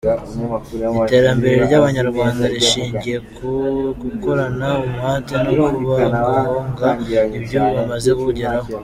Iterambere ry’Abanyarwanda rishingiye ku gukorana umuhate no kubungabunga ibyo bamaze kugeraho.